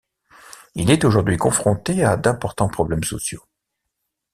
Il est aujourd'hui confronté à d’importants problèmes sociaux.